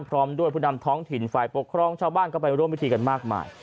พร้อมด้วยผู้นำท้องถิ่นฝ่ายปกครองชาวบ้านก็ไปร่วมพิธีกันมากมาย